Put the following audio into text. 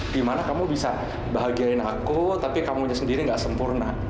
di mana kamu bisa bahagiain aku tapi kamu sendiri gak sempurna